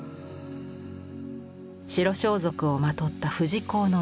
白装束をまとった富士講の一団。